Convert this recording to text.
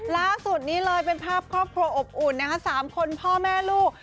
ล่าสุดนี้เลยเป็นภาพครอบครัวอบอุ่นนะคะ๓คนพ่อแม่ลูก